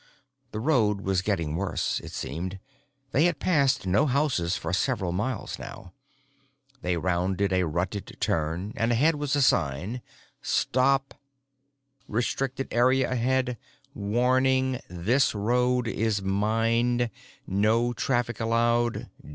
The road was getting worse, it seemed; they had passed no houses for several miles now. They rounded a rutted turn, and ahead was a sign. STOP! RESTRICTED AREA AHEAD WARNING: THIS ROAD IS MINED NO TRAFFIC ALLOWED!